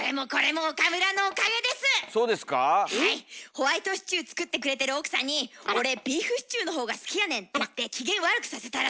ホワイトシチュー作ってくれてる奥さんに「俺ビーフシチューの方が好きやねん」って言って機嫌悪くさせたらしいじゃん。